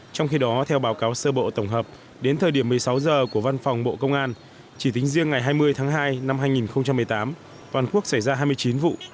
trong khi đó theo báo cáo sơ bộ tổng hợp đến thời điểm một mươi sáu giờ của văn phòng bộ công an chỉ tính riêng ngày hai mươi tháng hai năm hai nghìn một mươi tám toàn quốc xảy ra hai mươi chín vụ